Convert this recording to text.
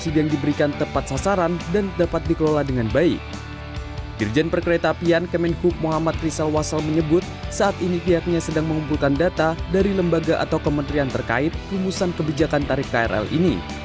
dirjen perkereta apian kemenhub muhammad rizal wasal menyebut saat ini pihaknya sedang mengumpulkan data dari lembaga atau kementerian terkait rumusan kebijakan tarif krl ini